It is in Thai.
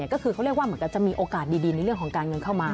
ก็คือเขาเรียกว่าเหมือนกับจะมีโอกาสดีในเรื่องของการเงินเข้ามา